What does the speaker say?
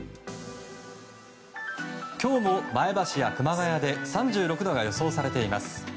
今日も前橋や熊谷で３６度が予想されています。